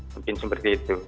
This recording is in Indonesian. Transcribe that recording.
mungkin seperti itu